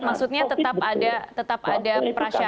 maksudnya tetap ada prasyarat yang